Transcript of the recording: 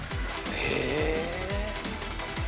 へえ。